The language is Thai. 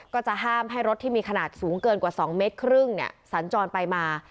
ก็จะห้ามให้รถที่มีขนาดสูงเกินกว่า๒เมตรครึ่งสัญจรไปมา